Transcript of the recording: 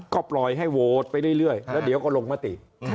ก็ปล่อยให้โหวตไปเรื่อยแล้วเดี๋ยวก็ลงมติ